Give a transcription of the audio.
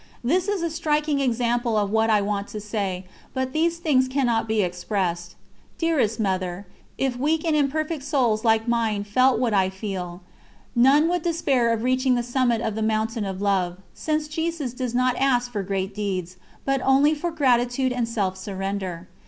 This is a striking example of what I want to say, but these things cannot be expressed. Dearest Mother, if weak and imperfect souls like mine felt what I feel, none would despair of reaching the summit of the Mountain of Love, since Jesus does not ask for great deeds, but only for gratitude and self surrender.